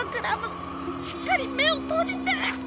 しっかり目を閉じて！